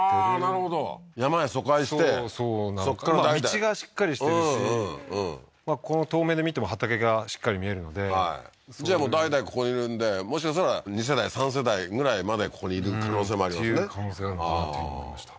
なるほど山へ疎開してそっから代々道がしっかりしてるしこの遠目で見ても畑がしっかり見えるのでじゃあもう代々ここにいるんでもしかしたら２世代３世代ぐらいまでここにいる可能性もありますねっていう可能性があるかなというふうに思いました